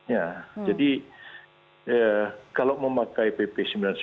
ya jadi kalau memakai pp sembilan puluh sembilan